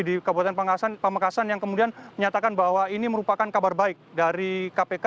di kabupaten pamekasan yang kemudian menyatakan bahwa ini merupakan kabar baik dari kpk